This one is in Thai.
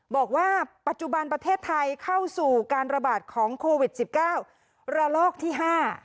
บอกว่าปัจจุบันประเทศไทยเข้าสู่การระบาดของโควิดสิบเก้าระลอกที่ห้า